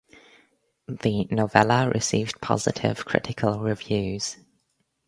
The novella received positive critical reviews.